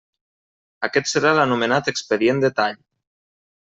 Aquest serà l'anomenat expedient de tall.